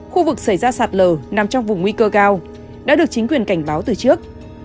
khu vực xảy ra sạt lở nằm trong vùng nguy cơ cao đã được chính quyền cảnh báo từ trước